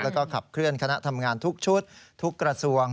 แล้วก็ขับเคลื่อนคณะทำงานทุกชุดทุกกระทรวง